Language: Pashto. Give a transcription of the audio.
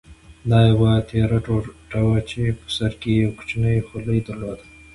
دا یوه تېره ټوټه وه چې په سر کې یې یو کوچنی خولۍ درلوده.